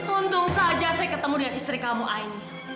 untung saja saya ketemu dengan istri kamu aini